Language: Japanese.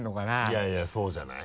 いやいやそうじゃない？